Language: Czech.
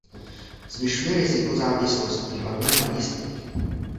Zvyšuje riziko závislosti hlavně mladistvých.